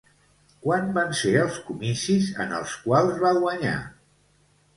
Quan van ser els comicis en els quals va guanyar?